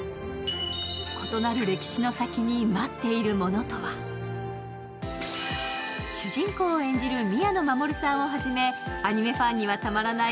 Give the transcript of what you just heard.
異なる歴史の先に待っているものとは主人公を演じる宮野真守さんをはじめ、アニメファンにはたまらない